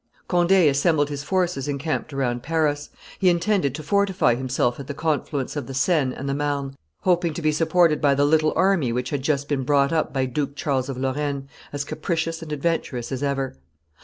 Conde assembled his forces encamped around Paris: he intended to fortify himself at the confluence of the Seine and the Marne, hoping to be supported by the little army which had just been brought up by Duke Charles of Lorraine, as capricious and adventurous as ever.